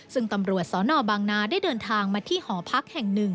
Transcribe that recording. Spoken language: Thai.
ซึ่งตำรวจสนบางนาได้เดินทางมาที่หอพักแห่งหนึ่ง